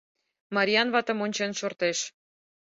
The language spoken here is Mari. Мариян ватым ончен шортеш.